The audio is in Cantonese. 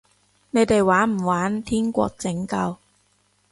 你哋玩唔玩天國拯救？